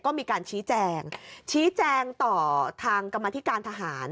ก็มีการชี้แจงชี้แจงต่อทางกรรมธิการทหาร